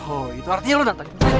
oh itu artinya lo dantangin dia